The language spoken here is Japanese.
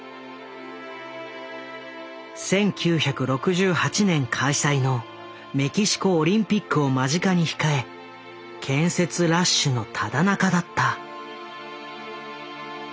１９６８年開催のメキシコオリンピックを間近に控え建設ラッシュのただ中だった。